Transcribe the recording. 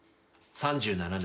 ３７年。